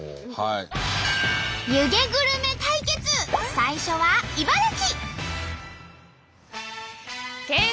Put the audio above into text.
最初は茨城。